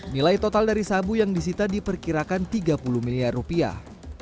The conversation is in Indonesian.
nilai total dari sabu yang disita diperkirakan tiga puluh miliar rupiah